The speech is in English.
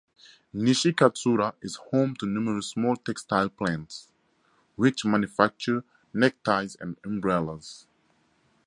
Nishikatsura is home to numerous small textile plants, which manufacture neckties and umbrellas.